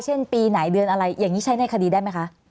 ปีไหนเดือนอะไรอย่างนี้ใช้ในคดีได้ไหมคะ